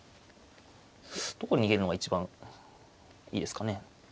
どこに逃げるのが一番いいですかね。